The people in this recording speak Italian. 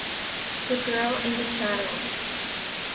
The Girl in the Saddle